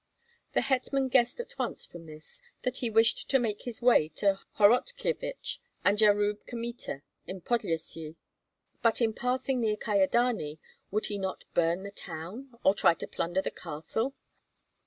The hetman guessed at once from this that he wished to make his way to Horotkyevich and Yakub Kmita in Podlyasye. "But in passing near Kyedani would he not burn the town or try to plunder the castle?"